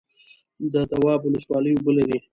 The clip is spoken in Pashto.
د دواب ولسوالۍ اوبه لري